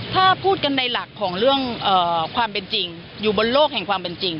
ถ้าพูดกันในหลักของเรื่องความเป็นจริงอยู่บนโลกแห่งความเป็นจริง